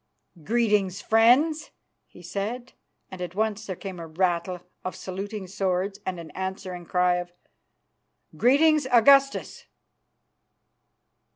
"Greeting, friends," he said, and at once there came a rattle of saluting swords and an answering cry of "Greeting, Augustus!"